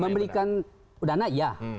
memiliki dana ya